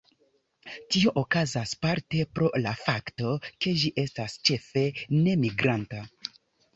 Tio okazas parte pro la fakto ke ĝi estas ĉefe nemigranta.